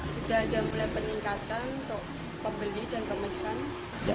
sudah ada mulai peningkatan untuk pembeli dan pemesan